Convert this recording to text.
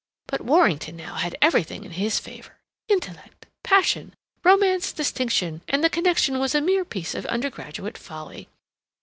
But Warrington, now, had everything in his favor; intellect, passion, romance, distinction, and the connection was a mere piece of undergraduate folly.